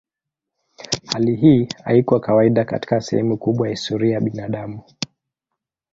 Hali hii haikuwa kawaida katika sehemu kubwa ya historia ya binadamu.